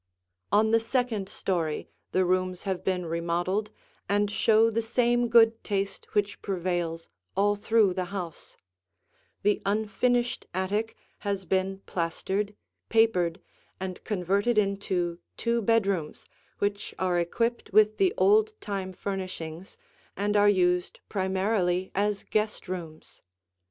[Illustration: Two of the Chambers] On the second story the rooms have been remodeled and show the same good taste which prevails all through the house. The unfinished attic has been plastered, papered, and converted into two bedrooms which are equipped with the old time furnishings and are used primarily as guest rooms.